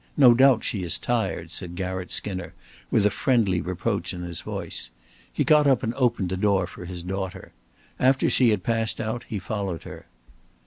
No doubt she is tired," said Garratt Skinner, with a friendly reproach in his voice. He got up and opened the door for his daughter. After she had passed out he followed her.